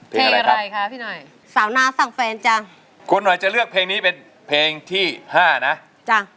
เพลงอะไรครับพี่หน่อย